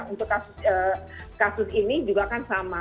untuk kasus ini juga kan sama